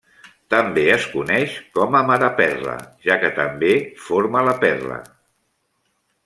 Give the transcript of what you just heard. També es coneix com a mareperla, ja que també forma la perla.